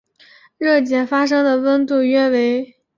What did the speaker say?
热解发生的温度约为。